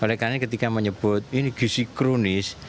oleh karena ketika menyebut ini gisi kronis